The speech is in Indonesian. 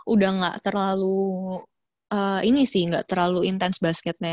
udah gak terlalu ini sih nggak terlalu intens basketnya